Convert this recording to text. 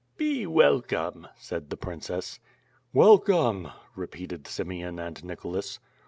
"Be welcome," said the princess. "Welcome," repeated Simeon and Nicholas.